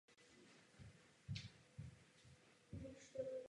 Navzdory této poněkud drastické události zůstali Miró a Ernst dobrými přáteli.